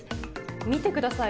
見てください。